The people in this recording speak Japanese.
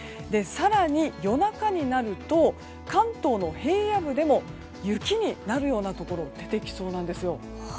更に夜中になると関東の平野部でも雪になるようなところが出てきそうなんですよ。